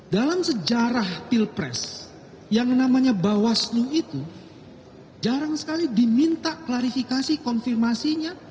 dalam sejarah pilpres yang namanya bawasnu itu jarang sekali diminta klarifikasi konfirmasinya